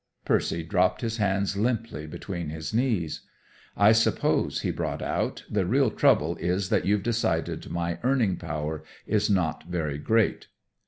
Percy dropped his hands limply between his knees. "I suppose," he brought out, "the real trouble is that you've decided my earning power is not very great."